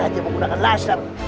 dia mau menggunakan lasar